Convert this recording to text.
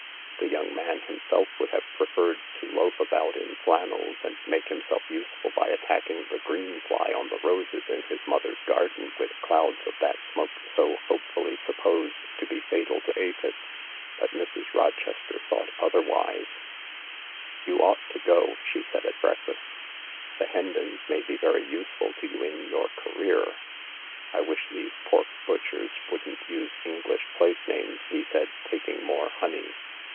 The young man himself would have preferred to loaf about in flannels and make himself useful by attacking the green fly on the roses in his mother's garden with clouds of that smoke so hopefully sup posed to be fatal to aphides. But Mrs. Rochester thought otherwise. 10 THE LARK " You ought to go," she said at breakfast. "The Hen dons may be very useful to you in your career." "I wish these pork butchers wouldn't use English Place names," he said, taking more honey.